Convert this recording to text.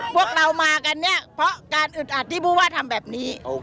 พวกเรามากันเนี่ยเพราะการอึดอัดที่ผู้ว่าทำแบบนี้